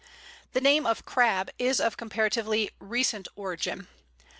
The name of Crab is of comparatively recent origin.